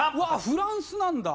フランスなんだ。